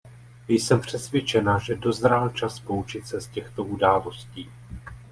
Jsem přesvědčená, že dozrál čas poučit se z těchto událostí.